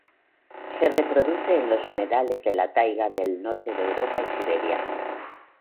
Se reproduce en los humedales de la taiga del norte de Europa y Siberia.